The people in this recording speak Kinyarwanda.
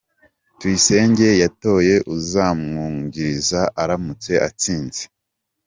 Tuyisenge yatoye uzamwungiriza aramutse atsinze